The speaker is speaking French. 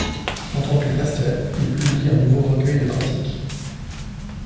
En tant que pasteur, il publie un nouveau recueil de cantiques.